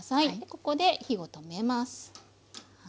ここで火を止めます。